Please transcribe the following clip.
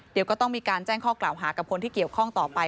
เดี๋ยวก็ต้องมีการแจ้งข้อกล่าวหากับคนที่เกี่ยวข้องต่อไป